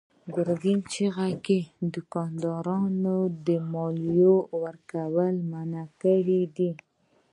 ګرګين چيغه کړه: تا دوکانداران د ماليې له ورکړې منع کړي دي.